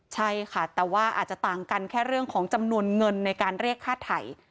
ใช่ค่ะแต่ว่าอาจจะต่างกันแค่เรื่องของจำนวนเงินในการเรียกค่าไถ่